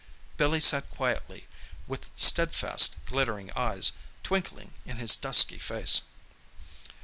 Billy sat quietly, with steadfast glittering eyes twinkling in his dusky face.